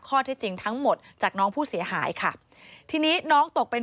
โปรดติดตามต่างกรรมโปรดติดตามต่างกรรม